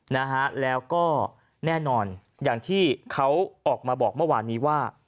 นะฮะแล้วก็แน่นอนอย่างที่เขาออกมาบอกเมื่อวานนี้ว่า